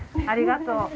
ありがとう。